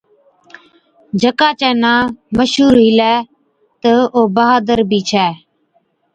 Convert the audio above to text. جڪا چَي نان مشهُور هِلَي تہ او بهادر بِي ڇَي،